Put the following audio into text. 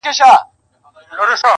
هر انسان خپل خوب لري.